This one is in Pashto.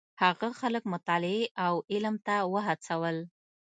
هغه خلک مطالعې او علم ته وهڅول.